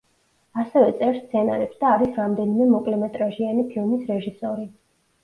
ასევე წერს სცენარებს და არის რამდენიმე მოკლემეტრაჟიანი ფილმის რეჟისორი.